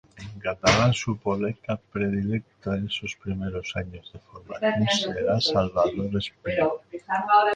En catalán, su poeta predilecto en esos primeros años de formación será Salvador Espriu.